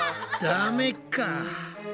ダメか。